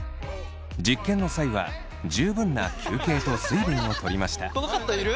実験の際は十分な休憩と水分をとりました。